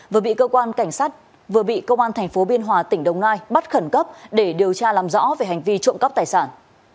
vừa bị công an thành phố biên hòa tỉnh đồng nai bắt khẩn cấp để điều tra làm rõ về hành vi trộm cắp tài sản